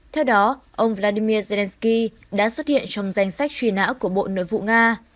theo đó ông vladimir zelensky đã xuất hiện trong danh sách truy nã của bộ nội vụ nga